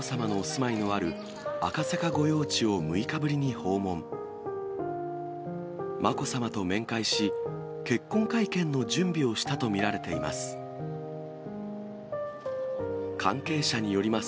まこさまと面会し、結婚会見の準備をしたと見られています。